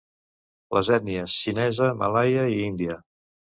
Les ètnies xinesa, malaia i índia.